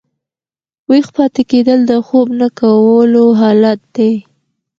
ویښ پاته کېدل د خوب نه کولو حالت دئ.